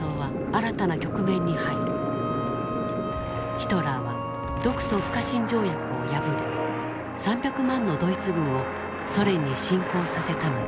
ヒトラーは独ソ不可侵条約を破り３００万のドイツ軍をソ連に侵攻させたのだ。